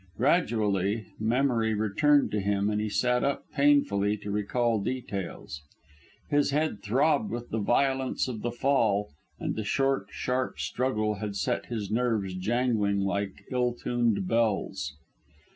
Gradually memory returned to him and he sat up painfully to recall details. His head throbbed with the violence of the fall, and the short, sharp struggle had set his nerves jangling like ill tuned bells.